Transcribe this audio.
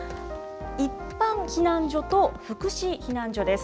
一般避難所と福祉避難所です。